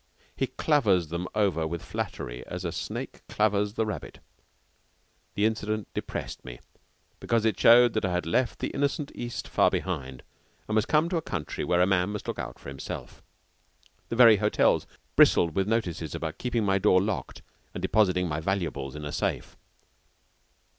He clavers them over with flattery as the snake clavers the rabbit. The incident depressed me because it showed I had left the innocent East far behind and was come to a country where a man must look out for himself. The very hotels bristled with notices about keeping my door locked and depositing my valuables in a safe.